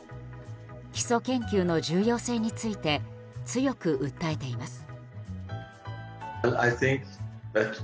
基礎研究の重要性について強く訴えています。